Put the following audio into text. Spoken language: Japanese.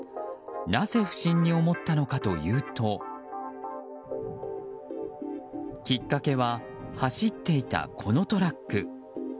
なぜ不審に思ったのかというときっかけは、走っていたこのトラック。